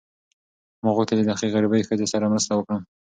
ما غوښتل چې د هغې غریبې ښځې سره مرسته وکړم.